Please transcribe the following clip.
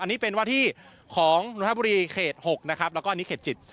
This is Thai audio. อันนี้เป็นว่าที่ของนนทบุรีเขต๖นะครับแล้วก็อันนี้เขตจิต